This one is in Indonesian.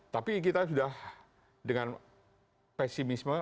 tapi kita sudah dengan pesimisme